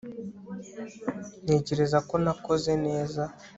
ntekereza ko nakoze neza